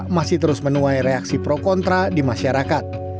masih terus menuai reaksi pro kontra di masyarakat